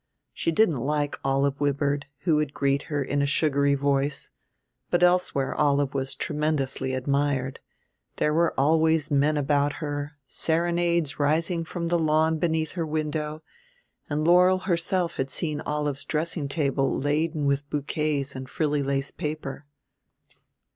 She didn't like Olive Wibird who would greet her in a sugary voice; but elsewhere Olive was tremendously admired, there were always men about her, serenades rising from the lawn beneath her window, and Laurel herself had seen Olive's dressing table laden with bouquets in frilly lace paper.